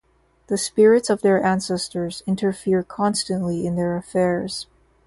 The spirits of their ancestors interfere constantly in their affairs.